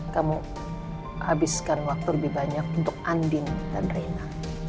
kamu habiskan lebih banyak waktu untuk andin dan reina